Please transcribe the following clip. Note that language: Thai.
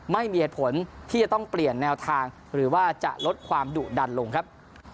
ไม่มีเหตุผลที่จะต้องเปลี่ยนแนวทางหรือว่าจะลดความดุดันลงครับ